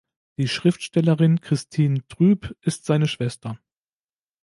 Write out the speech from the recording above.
Die Schriftstellerin Christine Trüb ist seine Schwester.